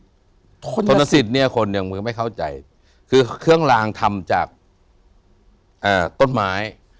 ถนนสิทธิ์ถนนสิทธิ์เนี่ยคนยังไม่เข้าใจคือเครื่องรางทำจากต้นไม้